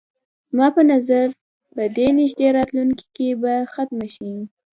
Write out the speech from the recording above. زما په نظر په دې نږدې راتلونکي کې به ختمه شي.